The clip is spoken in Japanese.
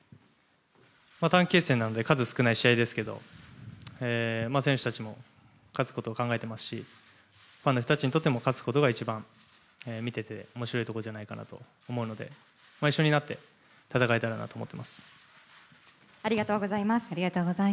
短期決戦なので数少ない試合ですが選手たちも勝つことを考えていますしファンの人たちにとっても勝つことが一番見てて面白いことじゃないかなと思うので一緒になって戦えたらと思っています。